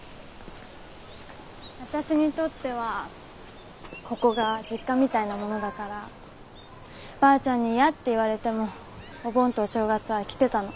私にとってはここが実家みたいなものだからばあちゃんに嫌って言われてもお盆とお正月は来てたの。